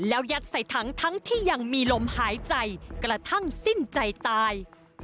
แล้วยัดใส่ถังทั้งที่ยังมีลมหายใจกระทั่งสิ้นใจตาย